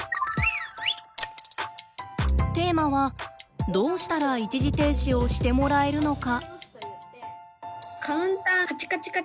テーマはどうしたら一時停止をしてもらえるのか。